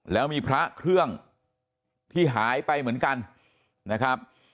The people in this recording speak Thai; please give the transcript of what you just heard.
แล้วมีพระเครื่องที่หายไปเหมือนกันนะครับ